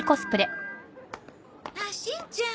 あっしんちゃん